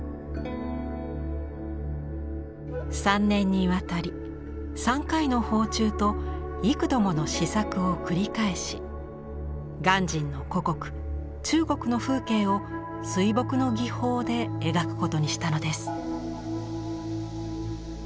３年にわたり３回の訪中と幾度もの試作を繰り返し鑑真の故国中国の風景を水墨の技法で描くことにしたのです。